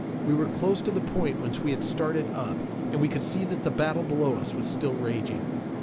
We were close to the point whence we had started up and we could see that the battle below us was still raging.